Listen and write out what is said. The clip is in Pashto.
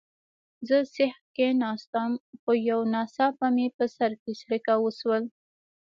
زه سیخ کښېناستم، خو یو ناڅاپه مې په سر کې څړیکه وشول.